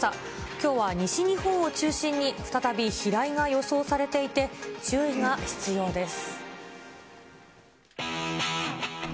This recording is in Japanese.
きょうは西日本を中心に再び飛来が予想されていて、注意が必要です。